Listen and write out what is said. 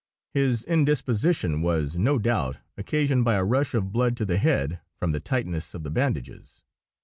His indisposition was, no doubt, occasioned by a rush of blood to the head from the tightness of the bandages.